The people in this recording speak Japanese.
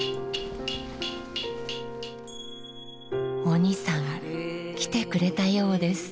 鬼さん来てくれたようです。